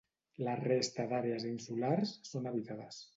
La resta d'àrees insulars són habitades.